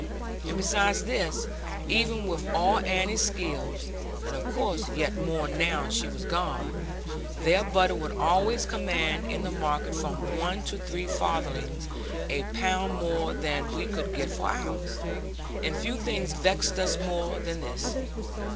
And beside this, even with all Annie's skill (and of course yet more now she was gone), their butter would always command in the market from one to three farthings a pound more than we could get for ours. And few things vexed us more than this.